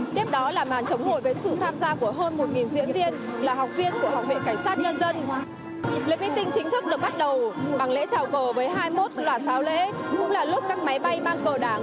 tiếp đó là màn chống hội với sự tham gia của hơn một diễn viên là học viên của học viện cảnh sát nhân dân